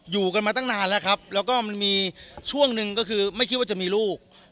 อยู่กันมาตี่นานและครับเท่าไหร่เลยไม่คิดว่าจะมีลูก